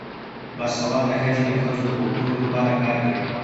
باسواده ښځې د ښځو د حقونو لپاره کار کوي.